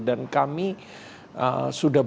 dan kami sudah buktikan dari di bapak